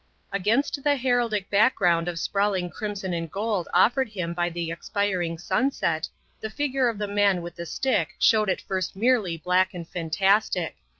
Against the heraldic background of sprawling crimson and gold offered him by the expiring sunset, the figure of the man with the stick showed at first merely black and fantastic.